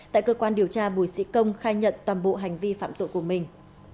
tại cơ quan điều tra bùi sĩ công khai nhận toàn bộ hành vi phạm tội của mình